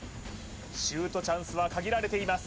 シュートチャンスは限られています